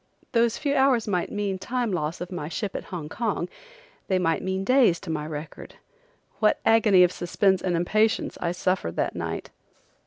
Those few hours might mean time loss of my ship at Hong Kong; they might mean days to my record. What agony of suspense and impatience I suffered that night!